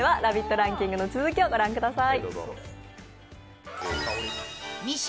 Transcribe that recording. ランキングの続きを御覧ください。